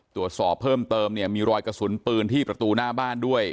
ตรวจสอบเพิ่มเติมเนี่ยมีรอยกระสุนปืนที่ประตูหน้าบ้านด้วย